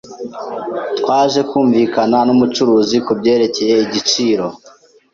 Twaje kumvikana numucuruzi kubyerekeye igiciro.